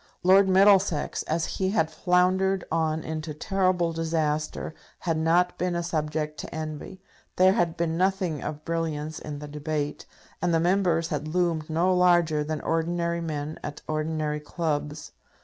Lord Middlesex, as he had floundered on into terrible disaster, had not been a subject to envy. There had been nothing of brilliance in the debate, and the Members had loomed no larger than ordinary men at ordinary clubs.